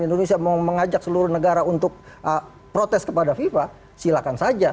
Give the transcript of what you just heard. indonesia mau mengajak seluruh negara untuk protes kepada fifa silakan saja